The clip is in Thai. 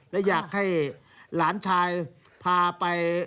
และอยากให้หลานชายพาไป